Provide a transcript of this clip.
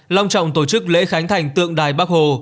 long trọng tổ chức lễ khánh thành tượng đài bắc hồ